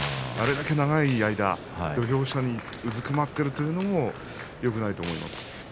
あれだけ長い間土俵下にうずくまっているというのもよくないと思います。